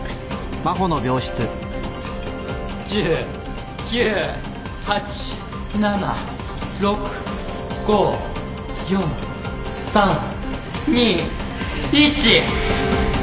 １０９８７６５４３２１。